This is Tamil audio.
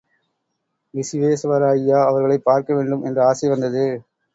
விசுவேசுவர ஐயா அவர்களைப் பார்க்க வேண்டும் என்ற ஆசை வந்தது.